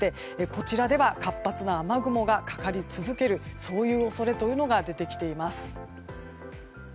こちらでは活発な雨雲がかかり続けるそういう恐れが出てきています。